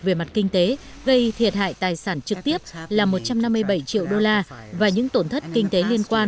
về mặt kinh tế gây thiệt hại tài sản trực tiếp là một trăm năm mươi bảy triệu đô la và những tổn thất kinh tế liên quan